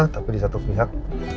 tapi di satu pihak